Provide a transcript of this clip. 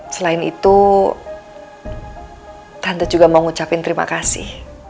selain itu tante juga mau ngucapin terima kasih